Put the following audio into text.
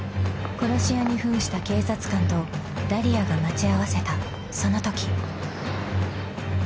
殺し屋に扮した警察官とダリアが待ち合わせたそのとき］